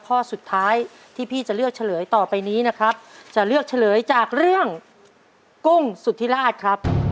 ข้อสุดท้ายที่พี่จะเลือกเฉลยต่อไปนี้นะครับจะเลือกเฉลยจากเรื่องกุ้งสุธิราชครับ